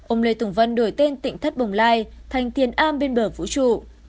ông lê tùng vân đổi tên tỉnh thất bồng lai thành tiền am bên bờ vũ trụ